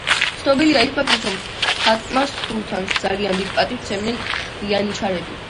ცნობილია ის ფაქტიც, რომ ფატმა სულთანს ძალიან დიდ პატივს სცემდნენ იანიჩარები.